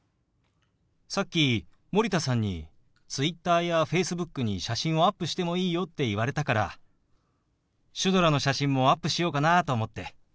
さっき森田さんにＴｗｉｔｔｅｒやＦａｃｅｂｏｏｋに写真をアップしてもいいよって言われたからシュドラの写真もアップしようかなと思って。